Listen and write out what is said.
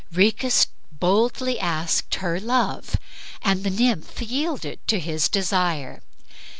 Rhoecus boldly asked her love and the nymph yielded to his desire.